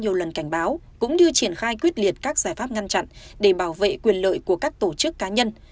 nhiều lần cảnh báo cũng như triển khai quyết liệt các giải pháp ngăn chặn để bảo vệ quyền lợi của các tổ chức cá nhân